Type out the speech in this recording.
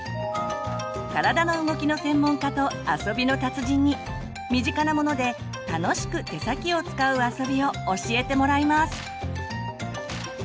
体の動きの専門家と遊びの達人に身近なもので楽しく手先を使う遊びを教えてもらいます！